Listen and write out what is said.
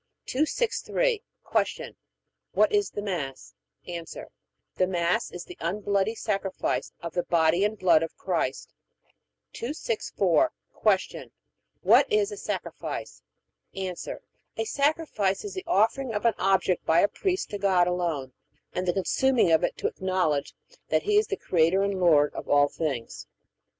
263. Q. What is the Mass? A. The Mass is the unbloody sacrifice of the body and blood of Christ. 264. Q. What is a sacrifice? A. A sacrifice is the offering of an object by a priest to God alone, and the consuming of it to acknowledge that He is the Creator and Lord of all things.